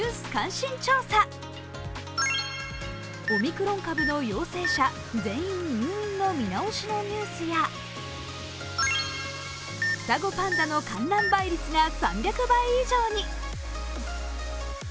オミクロン株の陽性者全員入院見直しのニュースや双子パンダの観覧倍率が３００倍以上に。